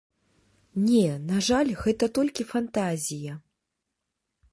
Не, на жаль, гэта толькі фантазія.